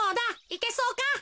いけそうか？